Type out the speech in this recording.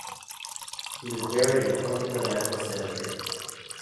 He was buried in Quantico National Cemetery.